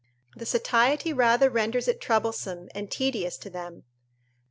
the satiety rather renders it troublesome and tedious to them.